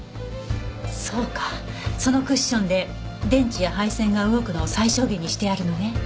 そうかそのクッションで電池や配線が動くのを最小限にしてあるのね。